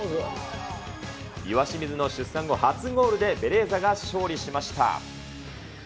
岩清水の出産後初ゴールでベレーザが勝利しました。